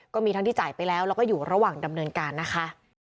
ก็มีทั้งที่จ่ายไปแล้วแล้วก็อยู่ระหว่างดำเนินการนะคะ